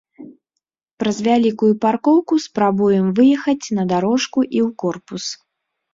Праз вялікую паркоўку спрабуем выехаць на дарожку і ў корпус.